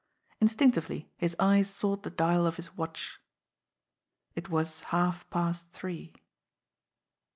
Instinctively his eyes sought the dial of his watch. It was half past three.